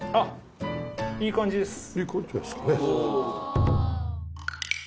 いい感じですかね。